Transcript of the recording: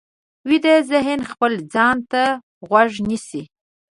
ویده ذهن خپل ځان ته غوږ نیسي